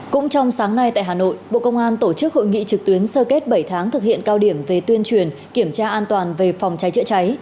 cũng trong sáng nay tại hà nội bộ công an tổ chức hội nghị trực tuyến sơ kết bảy tháng thực hiện cao điểm về tuyên truyền kiểm tra an toàn về phòng cháy chữa cháy